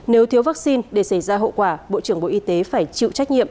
nếu thiếu vaccine để xảy ra hậu quả bộ trưởng bộ y tế phải chịu trách nhiệm